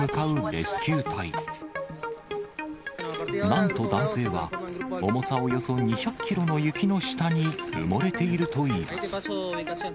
なんと男性は、重さおよそ２００キロの雪の下に埋もれているといいます。